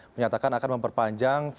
menyatakan akan memperpanjang